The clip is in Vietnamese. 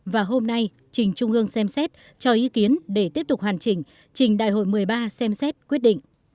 và hôm nay trình trung ương xem xét cho ý kiến để tiếp tục hoàn chỉnh trình đại hội một mươi ba xem xét quyết định